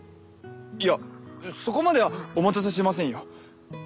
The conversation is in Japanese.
いやそこまではお待たせしませんよ！